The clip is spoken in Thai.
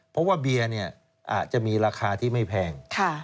เพราะว่าเบียร์เนี่ยอาจจะมีราคาที่ไม่แพง